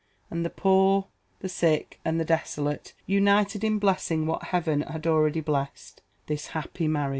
And the poor, he sick, and the desolate, united in blessing what heaven had already blessed this happy Marriage.